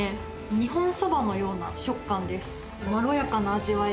日本そばのような食感です。